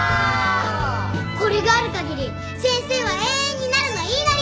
これがあるかぎり先生は永遠になるの言いなり！